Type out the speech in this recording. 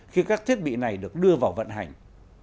khi các thiết bị này được đưa vào vận hành